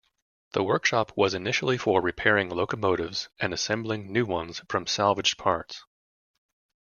The workshop was initially for repairing locomotives, and assembling new ones from salvaged parts.